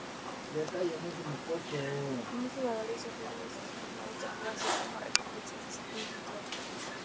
Ambos bandos ofrecerán distintos modos de juego así como recompensas, desafíos, entre otros.